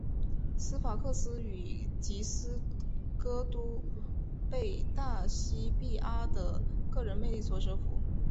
西法克斯与吉斯戈都被大西庇阿的个人魅力所折服。